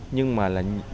nhưng mà là